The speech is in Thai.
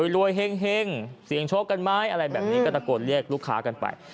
รวยเฮ่งเสียงโชคกันไหมอะไรแบบนี้ก็ตะโกนเรียกลูกค้ากันไป